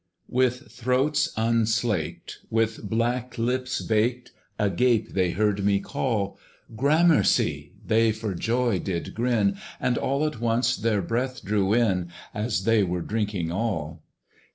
With throats unslaked, with black lips baked, Agape they heard me call: Gramercy! they for joy did grin, And all at once their breath drew in, As they were drinking all.